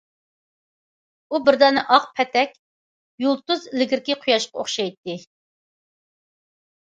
ئۇ بىر دانە ئاق پەتەك يۇلتۇز، ئىلگىرى قۇياشقا ئوخشايتتى.